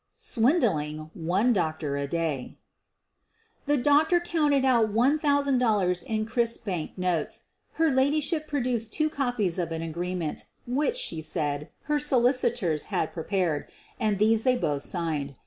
SWINDLING ONE DOCTOB A DAY The doctor counted out $1,000 in crisp bank notes. Her ladyship produced two copies of an agreement which, she said, her solicitors had prepared, and these they both signed.